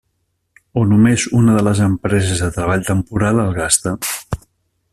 O només una de les empreses de treball temporal el gasta.